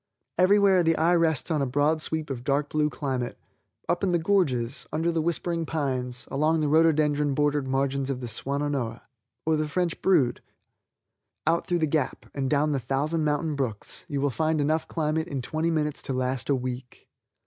Every where the eye rests on a broad sweep of dark blue climate. Up in the gorges, under the whispering pines, along the rhododendron bordered margins of the Swannonoa, or the French Brood, out through the Gap, and down the thousand mountain brooks, you will find enough climate in twenty minutes to last a week.